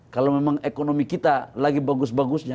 kalau memang ekonomi kita lagi bagus bagusnya